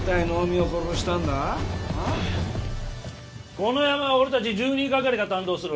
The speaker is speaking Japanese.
このヤマは俺たち１２係が担当する。